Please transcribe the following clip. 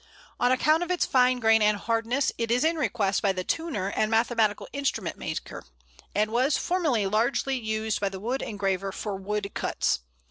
On account of its fine grain and hardness, it is in request by the turner and mathematical instrument maker, and was formerly largely used by the wood engraver for "woodcuts."